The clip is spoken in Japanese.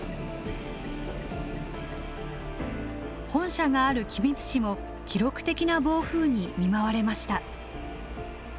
本社がある君津市も記録的な暴風に見舞われました。